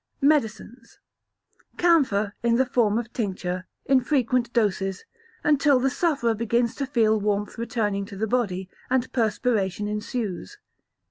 Medicines. Camphor, in the form of tincture, in frequent doses, until the sufferer begins to feel warmth returning to the body, and perspiration ensues.